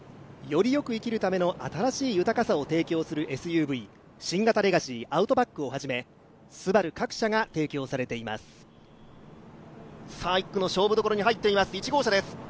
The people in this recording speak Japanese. よりよく生きるための新しい豊かさを提供するＳＵＶ新型レガシィアウトバックをはじめＳＵＢＡＲＵ各車が提供されています。